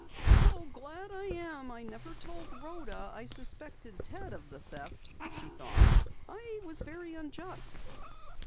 "How glad I am that I never told Rhoda I suspected Ted of the theft," she thought. "I was very unjust."